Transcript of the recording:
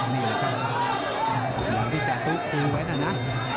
นี่แหละครับหลังที่แก่ตัวอีกตรงไว้นะนะ